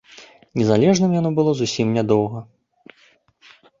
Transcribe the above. Незалежным яно было зусім нядоўга.